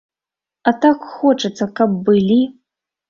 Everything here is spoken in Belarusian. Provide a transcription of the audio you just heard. А так хочацца, каб былі!